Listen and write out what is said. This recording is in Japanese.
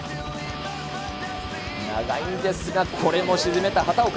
長いんですが、これも沈めた畑岡。